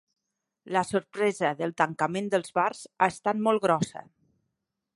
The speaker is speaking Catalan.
La sorpresa del tancament dels bars ha estat molt grossa.